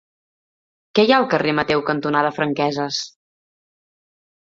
Què hi ha al carrer Mateu cantonada Franqueses?